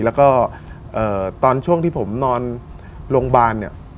แล้วก็ตอนช่วงที่ผมนอนโรงพยาบาลเนี่ย